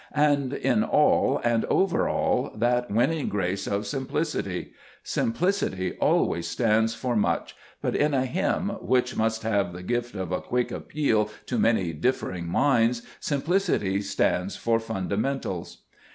And in all, and over all, that winning grace of simplicity. Simplicity always stands for much, but in a hymn, which must have the gift of a XTbe ;fBest Cburcb 1&smn5. quick appeal to many differing minds, simplicity stands for fundamentals.